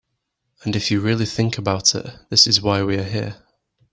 And if you really think about it, this is why we are here.